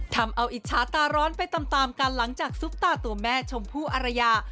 ทำเอาอิจฉาตาร้อนไปตามตามกันหลังจากซุปตาตัวแม่ชมพู่อารยา